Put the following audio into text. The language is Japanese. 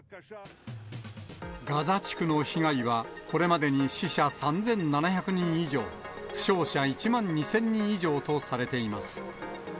ガザ地区の被害はこれまでに死者３７００人以上、負傷者１万２０００人以上とされています。